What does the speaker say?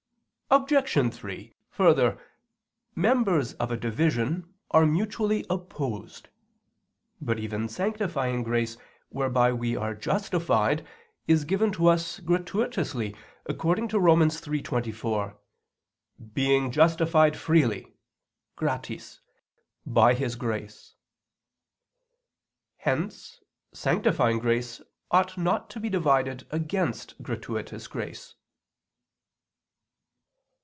Obj. 3: Further, members of a division are mutually opposed. But even sanctifying grace, whereby we are justified, is given to us gratuitously, according to Rom. 3:24: "Being justified freely (gratis) by His grace." Hence sanctifying grace ought not to be divided against gratuitous grace.